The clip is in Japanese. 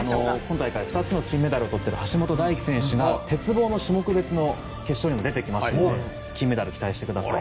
今大会２つ目の金メダルを取っている橋本大輝選手が鉄棒の種目別の決勝にも出てきますので金メダル、期待してください。